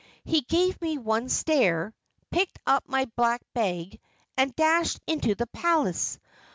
He gave me one stare, picked up my Black Bag, and dashed into the Palace.